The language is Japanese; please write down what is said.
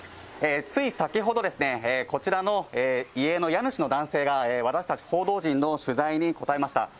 つい先ほどですね、こちらの家の家主の男性が、私たち報道陣の取材に答えました。